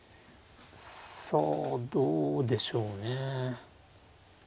さあどうでしょうね。